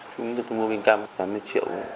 chúng tôi mua bình cam tám mươi triệu